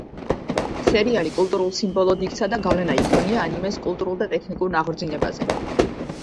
სერიალი კულტურულ სიმბოლოდ იქცა და გავლენა იქონია ანიმეს კულტურულ და ტექნიკურ აღორძინებაზე.